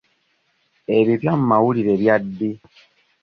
Ebipya mu mawulire bya ddi?